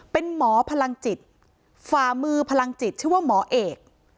เป็นหมอพลังจิตฝ่ามือพลังจิตชื่อว่าหมอเอก